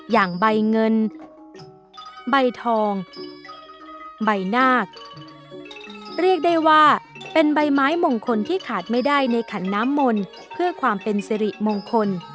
อย่างใบเงินใบทองใบนาคเรียกได้ว่าเป็นใบไม้มงคลที่ขาดไม่ได้ในขันน้ำมนต์เพื่อความเป็นสิริมงคล